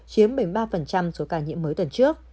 chiếm bảy mươi ba số ca nhiễm mới tuần trước